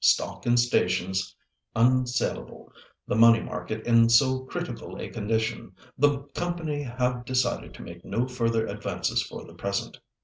Stock and stations unsalable. The money market in so critical a condition. The company have decided to make no further advances for the present.